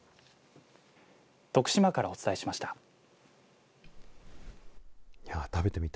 徳島からお伝えしました。